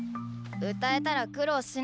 歌えたら苦労しないっつの！